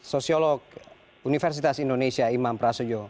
sosiolog universitas indonesia imam prasejo